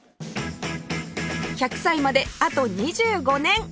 １００歳まであと２５年！